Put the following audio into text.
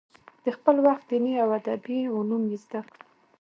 د خپل وخت دیني او ادبي علوم یې زده کړل.